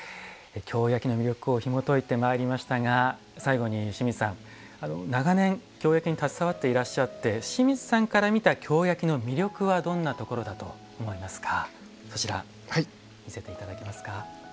京焼の魅力をひもといてまいりましたが最後に清水さん、長年京焼に携わっていらっしゃって清水さんから見た京焼の魅力はどんなところだと思いますか？